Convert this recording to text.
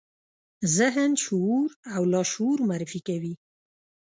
ذهن، شعور او لاشعور معرفي کوي.